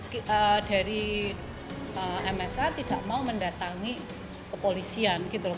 kita dari msa tidak mau mendatangi kepolisian gitu loh